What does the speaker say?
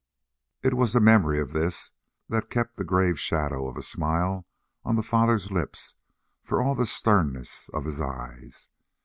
It was the memory of this that kept the grave shadow of a smile on the father's lips for all the sternness of his eyes.